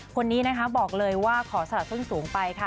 คนนี้นะคะบอกเลยว่าขอสลับส้นสูงไปค่ะ